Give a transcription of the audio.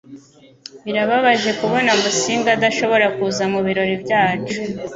Birababaje kubona Musinga adashobora kuza mubirori byacu